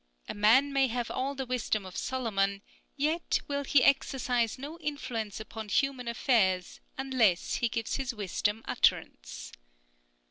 A man may have all the wisdom of Solomon, yet will he exercise no influence upon human affairs unless he gives his wisdom utterance.